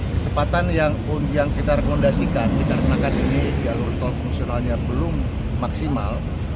kecepatan yang kita rekomendasikan dikarenakan ini jalur tol fungsionalnya belum maksimal